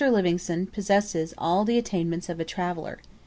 Livingstone possesses all the attainments of a traveller.